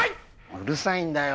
うるさいんだよ